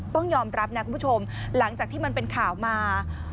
ต้องยอมรับนะคุณผู้ชมหลังจากที่มันเป็นข่าวมา